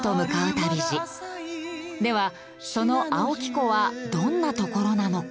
その青木湖はどんな所なのか？